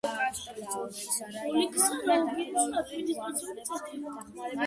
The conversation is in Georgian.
გიროკასტრის ოლქისა და რაიონის ადმინისტრაციული ცენტრი.